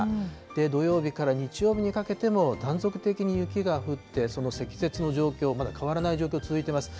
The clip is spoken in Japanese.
土曜日から日曜日にかけても断続的に雪が降って、その積雪の状況、まだ変わらない状況、続いています。